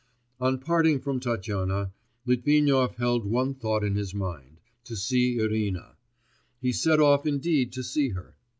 On parting from Tatyana, Litvinov held one thought in his mind, to see Irina; he set off indeed to see her.